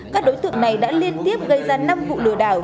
các đối tượng này đã liên tiếp gây ra năm vụ lừa đảo